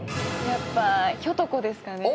やっぱひょと子ですかね。